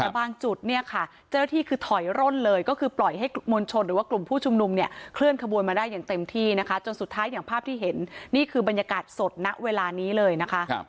แต่บางจุดเนี่ยค่ะเจ้าหน้าที่คือถอยร่นเลยก็คือปล่อยให้กลุ่มมวลชนหรือว่ากลุ่มผู้ชุมนุมเนี่ยเคลื่อนขบวนมาได้อย่างเต็มที่นะคะจนสุดท้ายอย่างภาพที่เห็นนี่คือบรรยากาศสดณเวลานี้เลยนะคะ